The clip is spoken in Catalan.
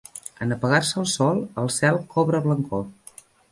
En apagar-se el sol, el cel cobra blancor.